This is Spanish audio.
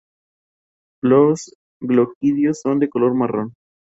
Los gloquidios son de color marrón.